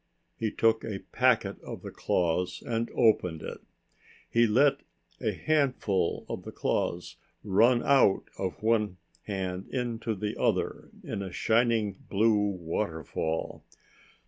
He took a packet of the claws and opened it. He let a handful of the claws run out of one hand into the other in a shining blue waterfall.